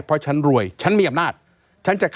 เพราะฉันรวยฉันมีอำนาจ